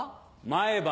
前歯